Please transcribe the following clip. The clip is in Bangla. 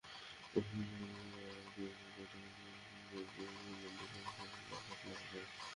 আপনি যখন অধিনায়ক কিংবা কোচ হবেন, কঠিন চরিত্রের খেলোয়াড়দের সামলানোটাও আপনার কাজ।